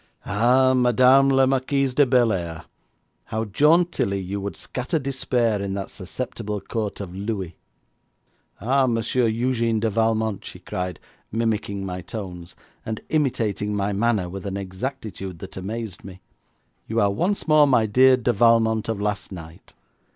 'Ah, Madame la Marquise de Bellairs, how jauntily you would scatter despair in that susceptible Court of Louis!' 'Ah, Monsieur Eugène de Valmont,' she cried, mimicking my tones, and imitating my manner with an exactitude that amazed me, 'you are once more my dear de Valmont of last night.